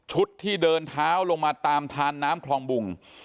มีเจ้าหน้าที่ชุดที่เดินเท้าลงมาตามทานน้ำคลองบุง